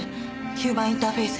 ヒューマンインターフェース